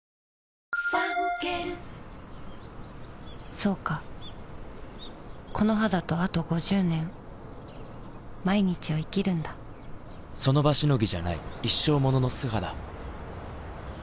そうかこの肌とあと５０年その場しのぎじゃない一生ものの素肌